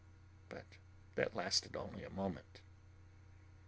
But that lasted only a moment.